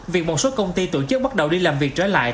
việc một số công ty tổ chức bắt đầu đi làm việc trở lại